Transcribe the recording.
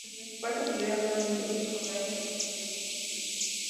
Sus principales actividades son: industria, comercio, servicios y turismo.